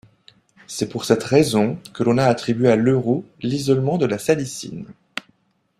C'est pour cette raison que l'on a attribué à Leroux l'isolement de la salicine.